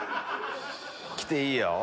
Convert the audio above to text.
きていいよ